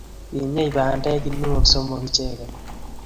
Kinyei bandek kuniaisiek somok ichegei